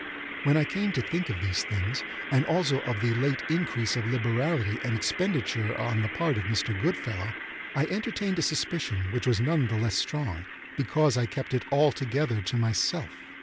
When I came to think of these things, and also of the late increase of liberality and expenditure on the part of Mr. Goodfellow, I entertained a suspicion which was none the less strong because I kept it altogether to myself.